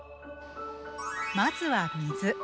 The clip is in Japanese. まずは、水。